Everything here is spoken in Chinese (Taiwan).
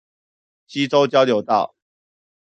溪洲交流道